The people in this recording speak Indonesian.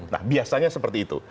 nah biasanya seperti itu